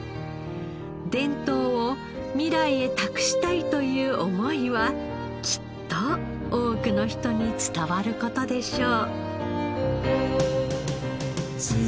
伝統を未来へ託したいという思いはきっと多くの人に伝わる事でしょう。